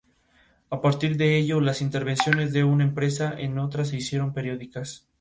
A partir de ello, las intervenciones de una empresa en otra se hicieron periódicas.